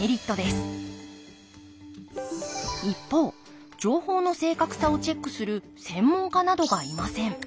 一方情報の正確さをチェックする専門家などがいません。